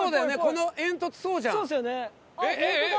この煙突そうじゃん！